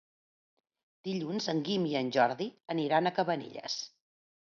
Dilluns en Guim i en Jordi aniran a Cabanelles.